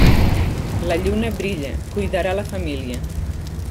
La lluna brilla, cuidarà la família.